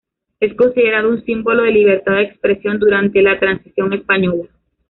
Es considerado un símbolo de la libertad de expresión durante la Transición Española.